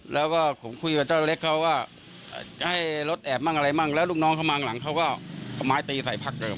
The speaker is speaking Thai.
แล้วก็ผมคุยกับเจ้าเล็กเขาก็ให้รถแอบบ้างบ้างแล้วลูกน้องเขามั่งหลังเขาก็ม้ายตีใส่พักเติม